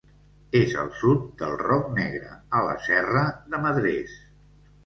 És al sud del Roc Negre, a la serra de Madres.